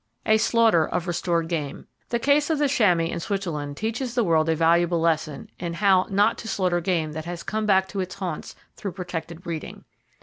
A Slaughter Of Restored Game. —The case of the chamois in Switzerland teaches the world a valuable lesson in how not to slaughter game that has come back to its haunts through protected breeding.